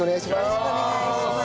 よろしくお願いします。